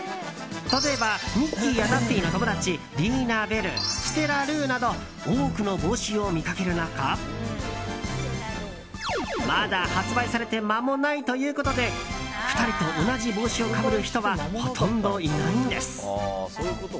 例えばミッキーやダッフィーの友達リーナ・ベル、ステラ・ルーなど多くの帽子を見かける中まだ発売されて間もないということで２人と同じ帽子をかぶる人はほとんどいないんです。